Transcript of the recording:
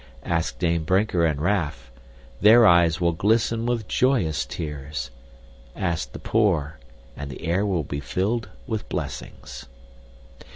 Ask Dame Brinker and Raff, their eyes will glisten with joyous tears. Ask the poor and the air will be filled with blessings.